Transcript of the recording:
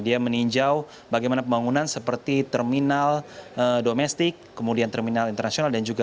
dia meninjau bagaimana pembangunan seperti terminal domestik kemudian terminal internasional dan juga